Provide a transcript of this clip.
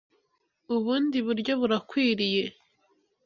Ubundi buryo burakwiriye